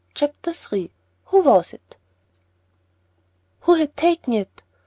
Chapter III WHO WAS IT? Who had taken it?